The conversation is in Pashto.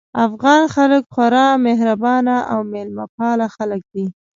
افغان خلک خورا مهربان او مېلمه پال خلک دي